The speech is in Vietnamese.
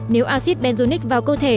nếu acid benzoic vào cơ thể